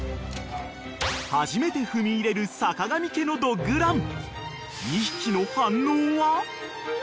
［初めて踏み入れるさかがみ家のドッグラン］